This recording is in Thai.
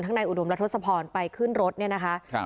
ทั้งนายอุดมและทศพรไปขึ้นรถเนี่ยนะคะ